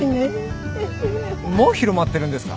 もう広まってるんですか！？